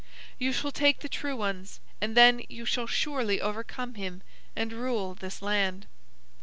You shall take the true ones, and then you shall surely overcome him and rule this land."